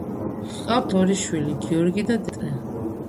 ჰყავთ ორი შვილი, გიორგი და დემეტრე.